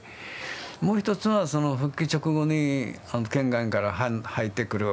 もう一つはその復帰直後に県外から入ってくる人たちはね